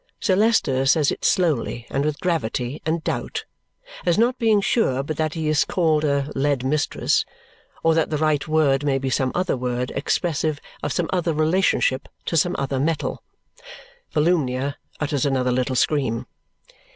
Sir Leicester says it slowly and with gravity and doubt, as not being sure but that he is called a lead mistress or that the right word may be some other word expressive of some other relationship to some other metal. Volumnia utters another little scream.